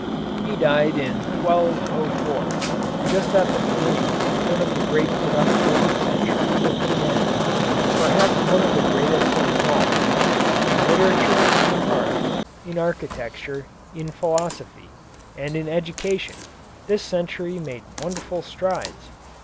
He died in 1204, just at the beginning of one of the great productive centuries of humanity, perhaps one of the greatest of them all. In literature, in art, in architecture, in philosophy, and in education, this century made wonderful strides.